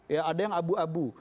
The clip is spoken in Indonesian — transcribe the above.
ya ada yang abu abu